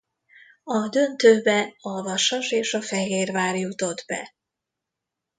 A döntőbe a Vasas és a Fehérvár jutott be.